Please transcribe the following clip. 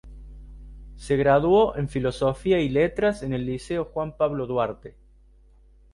Se graduó en Filosofía y Letras en el Liceo Juan Pablo Duarte.